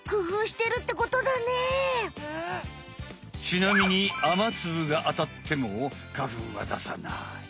ちなみに雨つぶがあたっても花粉は出さない。